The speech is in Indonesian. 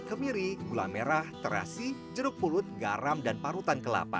kemiri gula merah terasi jeruk pulut garam dan parutan kelapa